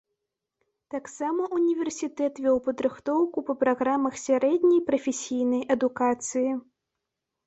Таксама ўніверсітэт вёў падрыхтоўку па праграмах сярэдняй прафесійнай адукацыі.